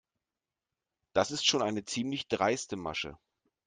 Das ist schon eine ziemlich dreiste Masche.